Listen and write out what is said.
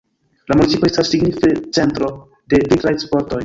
La municipo estas signifa centro de vintraj sportoj.